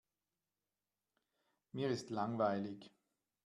Mir ist langweilig.